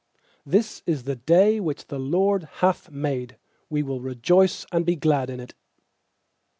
24This is the day which the LORD hath made; We will rejoice and be glad in it.